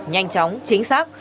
nhanh chóng chính xác